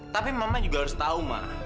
tapi mama juga harus tahu mak